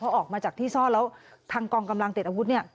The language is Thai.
พอออกมาจากที่ซ่อนแล้วทางกองกำลังติดอาวุธเนี่ย